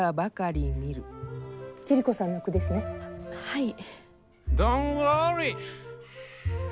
はい。